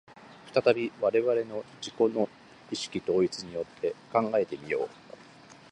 再び我々の自己の意識統一によって考えて見よう。